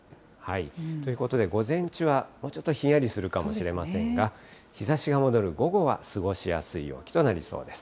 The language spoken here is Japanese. ということで午前中はもうちょっとひんやりするかもしれませんが、日ざしが戻る午後は、過ごしやすい陽気となりそうです。